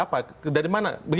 nah itu dia